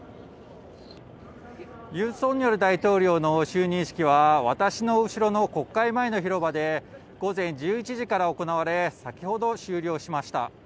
ユン・ソンニョル大統領の就任式は私の後ろの国会前の広場で午前１１時から行われ先ほど終了しました。